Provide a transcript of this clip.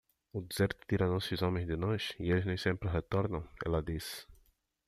"O deserto tira nossos homens de nós? e eles nem sempre retornam?" ela disse.